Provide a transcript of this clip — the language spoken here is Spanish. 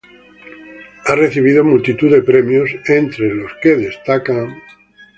Ha recibido multitud de premios, entre los que destacan:.